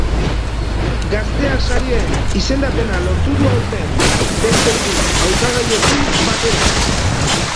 Gaztea sarien izendapena lortu du aurten, beste hiru hautagaiekin batera.